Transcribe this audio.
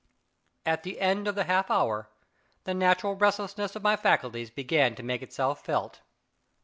At the end of the half hour, the natural restlessness of my faculties began to make itself felt.